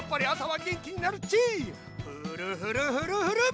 フルフルフルフル。